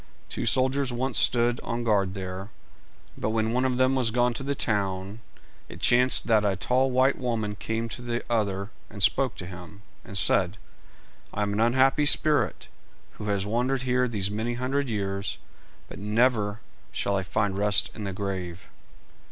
Two soldiers once stood on guard there together, but when one of them was gone to the town, it chanced that a tall white woman came to the other, and spoke to him, and said "I am an unhappy spirit, who has wandered here these many hundred years, but never shall I find rest in the grave."